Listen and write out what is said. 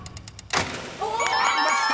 ［ありました！